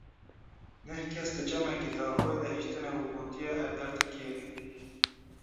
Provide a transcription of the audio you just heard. Neh kes di çemekî Zaxoyê de hiştine û gotiye; ev der Tirkiye ye.